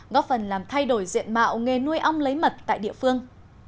góp phần làm thay đổi diện mạo nghề nuôi ong lấy mật tại địa phương